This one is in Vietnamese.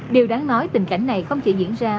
điều đáng nói tình cảnh này không chỉ diễn ra